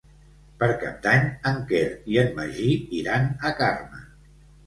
Per Cap d'Any en Quer i en Magí iran a Carme.